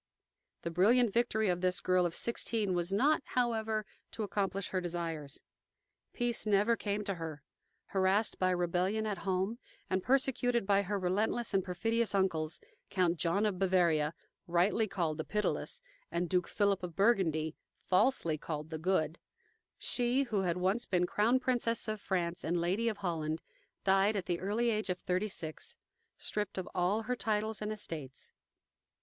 The brilliant victory of this girl of sixteen was not, however, to accomplish her desires. Peace never came to her. Harassed by rebellion at home, and persecuted by her relentless and perfidious uncles, Count John of Bavaria, rightly called "the Pitiless," and Duke Philip of Burgundy, falsely called "the Good," she, who had once been Crown Princess of France and Lady of Holland, died at the early age of thirty six, stripped of all her titles and estates.